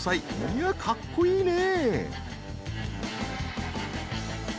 いやあかっこいいね！